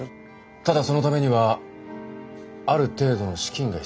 ただそのためにはある程度の資金が必要で。